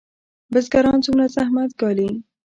بزګران څومره زحمت ګالي؟